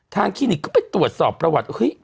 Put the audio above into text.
ทางคลีนิกก็ไปตรวจสอบประวัติ